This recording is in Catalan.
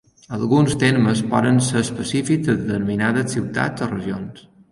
Alguns termes poden ser específics de determinades ciutats o regions.